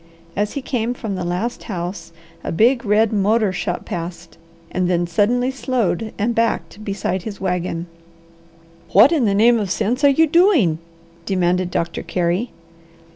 As he came from the last house a big, red motor shot past and then suddenly slowed and backed beside his wagon. "What in the name of sense are you doing?" demanded Doctor Carey.